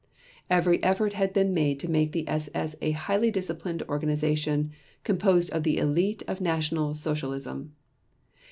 Every effort had been made to make the SS a highly disciplined organization composed of the elite of National Socialism.